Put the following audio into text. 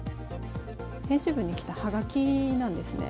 編集部に来たはがきなんですね。